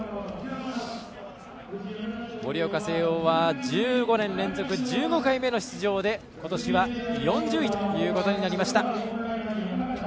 盛岡誠桜は１５年連続１５回目の出場でことしは４０位ということになりました。